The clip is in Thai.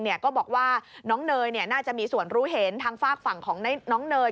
ก็บอกว่าน้องเนยน่าจะมีส่วนรู้เห็นทางฝากฝั่งของน้องเนย